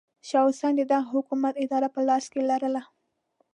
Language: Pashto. شاه حسین د دغه حکومت اداره په لاس کې لرله.